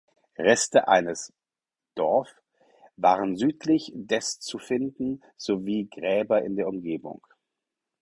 Reste eines (Dorf) waren südlich des zu finden sowie Gräber in der Umgebung.